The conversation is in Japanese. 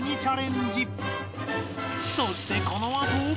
そしてこのあと